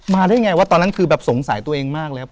มาได้ยังไงวะตอนนั้นคือแบบสงสัยตัวเองมากเลยครับ